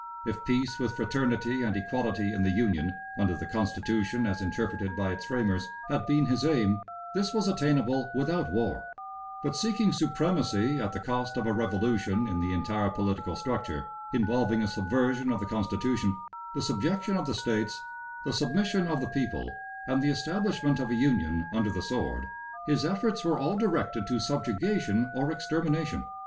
If peace with fraternity and equality in the Union, under the Constitution as interpreted by its framers, had been his aim, this was attainable without war; but, seeking supremacy at the cost of a revolution in the entire political structure, involving a subversion of the Constitution, the subjection of the States, the submission of the people, and the establishment of a union under the sword, his efforts were all directed to subjugation or extermination.